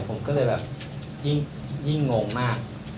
ผมก็เลยแบบยิ่งงงมาก